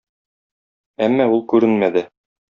Әмма ул күренмәде.